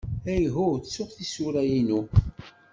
Ihuh, ttuɣ tisura-inu.